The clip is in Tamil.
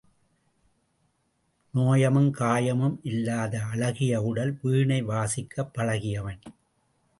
நோயும் காயமும் இல்லாத அழகிய உடல், வீணை வாசிக்கப் பழகியவன்.